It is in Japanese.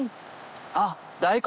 あっ大根。